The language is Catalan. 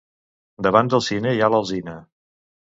Davant del cine hi ha l'alzina.